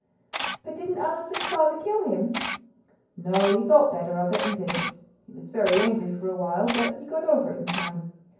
"But didn't Allister's father kill him?" "No. He thought better of it, and didn't. He was very angry for a while, but he got over it in time.